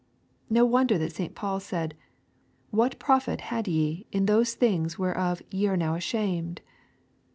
No wonder that St. Paul said, " What profit had ye in those things whereof ye are now ashamed